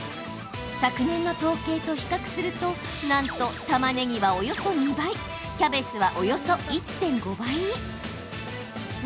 昨年の統計と比較するとなんとたまねぎは、およそ２倍キャベツはおよそ１．５倍の価格に。